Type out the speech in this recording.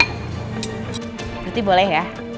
berarti boleh ya